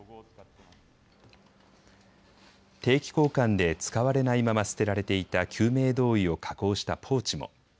定期交換で使われないまま捨てられていた救命胴衣を加工したポーチも。